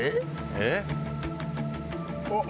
えっ？